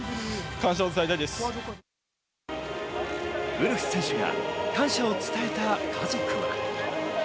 ウルフ選手が感謝を伝えた家族は。